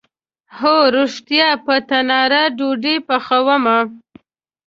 هو ریښتیا، په تناره ډوډۍ پخومه